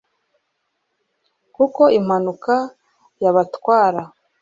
kuko n'impanuka yabatwara